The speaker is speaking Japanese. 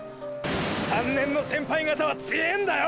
３年の先輩方は強ええんだよ！！